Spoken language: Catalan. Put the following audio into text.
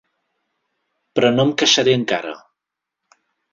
Però no em queixaré encara.